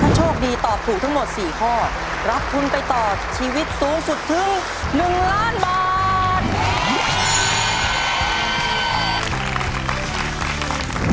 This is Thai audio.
ถ้าโชคดีตอบถูกทั้งหมด๔ข้อรับทุนไปต่อชีวิตสูงสุดถึง๑ล้านบาท